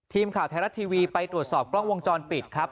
ทีมข่าวไทยรัฐทีวีไปตรวจสอบกล้องวงจรปิดครับ